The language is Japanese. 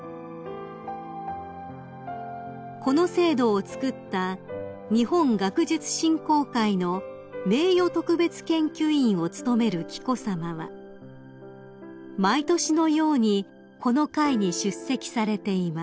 ［この制度を作った日本学術振興会の名誉特別研究員を務める紀子さまは毎年のようにこの会に出席されています］